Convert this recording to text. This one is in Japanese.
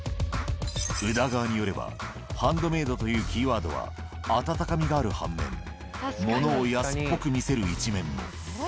宇田川によれば、ハンドメイドというキーワードは、温かみがある反面、ものを安っぽく見せる一面も。